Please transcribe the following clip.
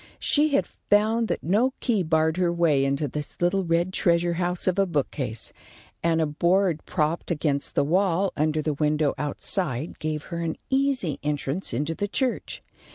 She had found that no key barred her way into this little red treasure house of a bookcase, and a board propped against the wall under the window outside gave her an easy entrance into the church.